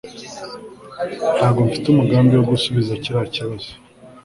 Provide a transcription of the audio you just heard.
Ntabwo mfite umugambi wo gusubiza kiriya kibazo